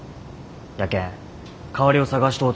やけん代わりを探しとうと。